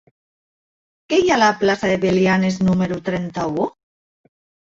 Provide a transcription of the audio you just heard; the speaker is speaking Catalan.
Què hi ha a la plaça de Belianes número trenta-u?